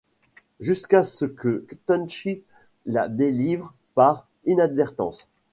Jusqu'à ce que Tenchi la délivre par inadvertance.